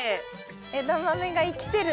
枝豆が生きてる！